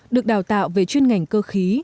được đào tạo về chuyên ngành cơ khí